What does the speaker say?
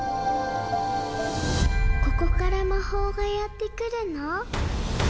ここから魔法がやってくるの？